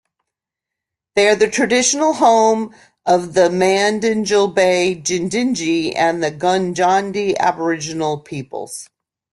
They are the traditional home of the Mandingalbay Yidinji, and the Gungandji Aboriginal peoples.